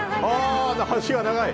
足が長い。